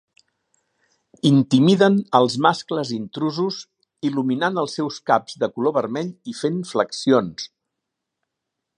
Intimiden als mascles intrusos il·luminant els seus caps de color vermell i fent "flexions".